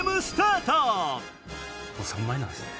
３枚なんすね。